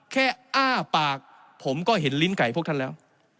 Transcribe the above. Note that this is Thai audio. อ้าปากผมก็เห็นลิ้นไก่พวกท่านแล้ว